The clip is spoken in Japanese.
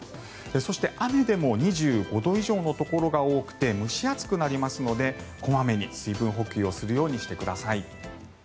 そして、雨でも２５度以上のところが多くて蒸し暑くなりますので小まめに水分補給をするようにしてください。